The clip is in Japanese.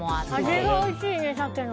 味がおいしいね、サケの。